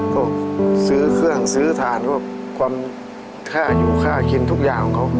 ก็ซื้อเครื่องซื้อฐานพวกความค่าอยู่ค่ากินทุกอย่างของเขา